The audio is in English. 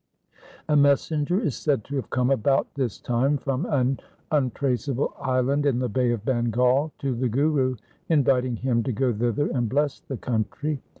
A messenger is said to have come about this time from an untraceable island in the Bay of Bengal to the Guru inviting him to go thither and bless the country.